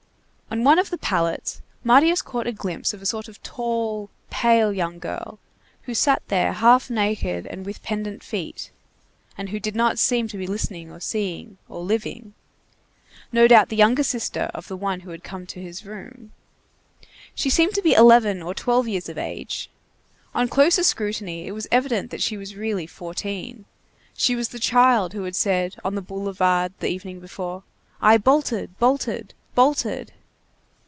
On one of the pallets, Marius caught a glimpse of a sort of tall pale young girl, who sat there half naked and with pendant feet, and who did not seem to be listening or seeing or living. No doubt the younger sister of the one who had come to his room. She seemed to be eleven or twelve years of age. On closer scrutiny it was evident that she really was fourteen. She was the child who had said, on the boulevard the evening before: "I bolted, bolted, bolted!"